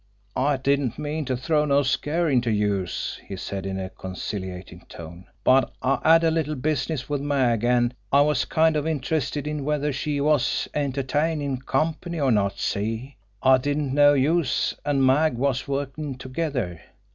"I didn't mean to throw no scare into youse," he said, in a conciliating tone. "But I had a little business wid Mag, an' I was kind of interested in whether she was entertainin' company or not see? I didn't know youse an' Mag was workin' together."